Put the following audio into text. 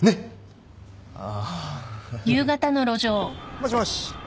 もしもし。